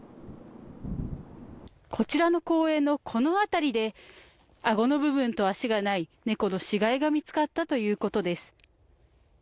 こちらの公園のこの辺りで顎の部分と足がない、猫の死骸が見つかったということです。